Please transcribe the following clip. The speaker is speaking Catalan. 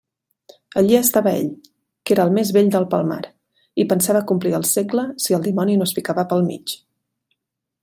Allí estava ell, que era el més vell del Palmar, i pensava complir el segle si el dimoni no es ficava pel mig.